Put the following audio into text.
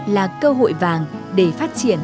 là cơ hội vàng để phát triển